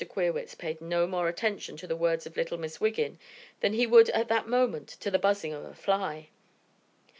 Queerwitz paid no more attention to the words of little Miss Wiggin than he would at that moment to the buzzing of a fly.